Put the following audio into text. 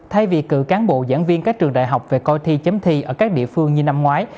thay vì cử cán bộ giảng viên các trường đại học về coi thi chấm thi ở các địa phương như năm ngoái